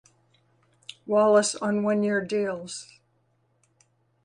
Wallace on one year deals.